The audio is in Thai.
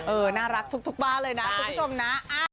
น่ารักทุกบ้านเลยนะคุณผู้ชมนะ